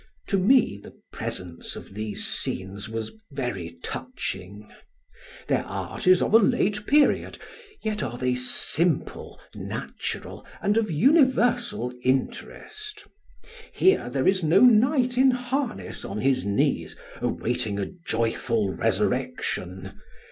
To me the presence of these scenes was very touching. Their art is of a late period, yet are they simple, natural, and of universal interest. Here there is no knight in harness on his knees awaiting a joyful resurrection.